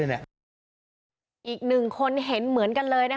อีกหนึ่งคนเห็นเหมือนกันเลย